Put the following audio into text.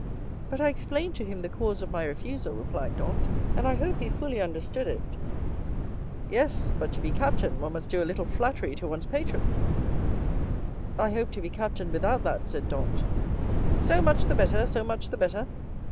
"But I explained to him the cause of my refusal," replied Dantès, "and I hope he fully understood it." "Yes, but to be captain one must do a little flattery to one's patrons." "I hope to be captain without that," said Dantès. "So much the better—so much the better!